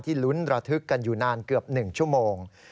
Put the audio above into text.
ลุ้นระทึกกันอยู่นานเกือบ๑ชั่วโมง